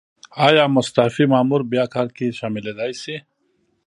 ایا مستعفي مامور بیا کار کې شاملیدای شي؟